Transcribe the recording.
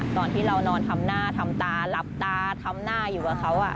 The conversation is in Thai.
ตอนที่เรานอนทำหน้าทำตาหลับตาทำหน้าอยู่กับเขา